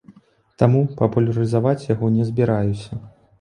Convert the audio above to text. Таму папулярызаваць яго не збіраюся.